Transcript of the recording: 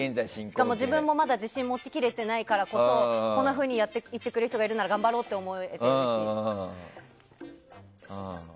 しかも、自分もまだ自信が持ち切れていないからこそこんなふうに言ってくれる人がいるなら頑張ろうって思えて。